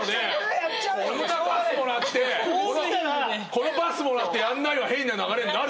このパスもらってやんないは変な流れになるじゃん！